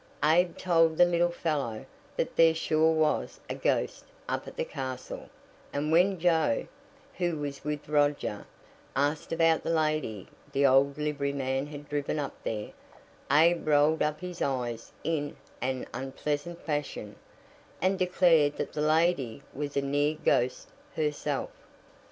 Abe told the little fellow that there "sure was a ghost up at the castle," and when Joe, who was with Roger, asked about the lady the old liveryman had driven up there, Abe rolled up his eyes in an unpleasant fashion, and declared that the lady was a "near ghost" herself.